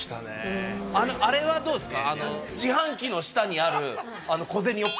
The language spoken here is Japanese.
あれはどうですか？